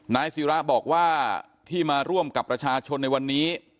นายศิระบอกว่าที่มาร่วมกับประชาชนในวันนี้